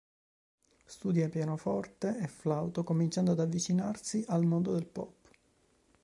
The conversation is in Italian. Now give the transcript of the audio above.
Studia pianoforte e flauto, cominciando ad avvicinarsi al mondo del pop.